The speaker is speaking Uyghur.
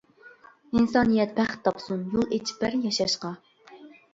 ئىنسانىيەت بەخت تاپسۇن، يول ئېچىپ بەر ياشاشقا!